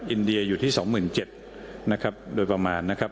อินเดียอยู่ที่๒๗๐๐นะครับโดยประมาณนะครับ